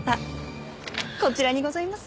こちらにございます。